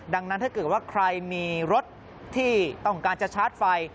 ดังนั้นถ้าเกิดว่าใครมีรถที่ต้องการจะชาร์จไฟ